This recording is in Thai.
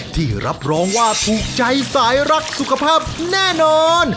ที่รับรองว่าถูกใจสายรักสุขภาพแน่นอน